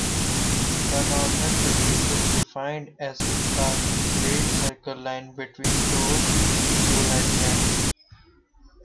The northern limit is defined as the great circle line between those two headlands.